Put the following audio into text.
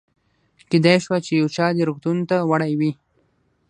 کېدای شوه چې یو چا دې روغتون ته وړی وي.